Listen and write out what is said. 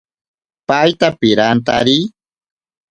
Paita pirantari.